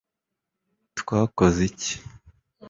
twakoze iki